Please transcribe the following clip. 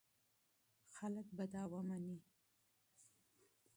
خلک به دا ومني.